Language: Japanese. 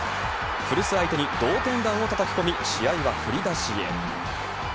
古巣相手に同点弾をたたき込み、試合は振り出しへ。